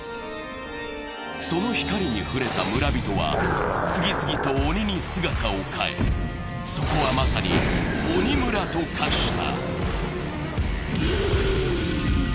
その光に触れた村人は、次々に鬼に姿を変え、そこはまさに鬼村と化した。